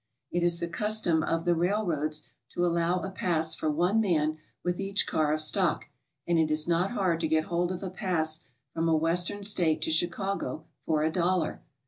It is the custom of the railroads to allow a pass for one man with each car of stock, and it is not hard to get hold of a pass from a Western State to Chicago for a dollar.